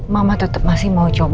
mama tetep masih mau coba terapi